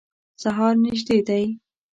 سهار نیژدي دی